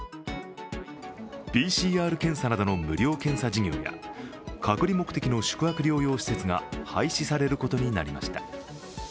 ＰＣＲ検査などの無料検査事業や隔離目的の宿泊療養施設が廃止されることになりました。